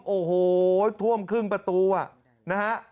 โอ้โหท่วมครึ่งประตูนะฮะ